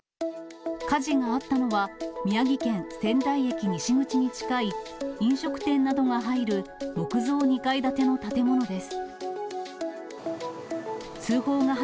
火事があったのは宮城県仙台駅西口に近い飲食店などが入る木造２階建ての建物です。